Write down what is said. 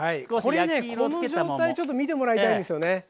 この状態ちょっと見てもらいたいんですよね。